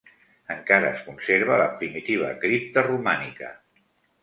Encara es conserva la primitiva cripta romànica.